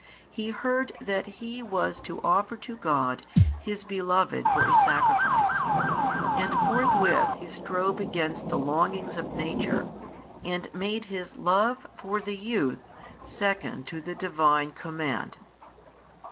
He heard that he was to offer to God his beloved for a sacrifice and forthwith he strove against the longings of nature, and made his love for the youth second to the Divine Command.